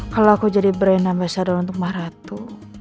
kalau aku jadi brand ambassador untuk mbah ratu